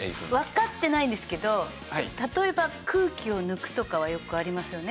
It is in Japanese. わかってないんですけど例えば空気を抜くとかはよくありますよね。